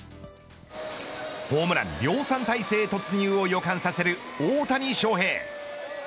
ホームラン量産体制を予感させる大谷翔平。